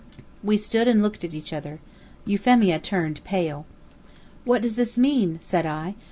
We stood and looked at each other. Euphemia turned pale. "What does this mean?" said I.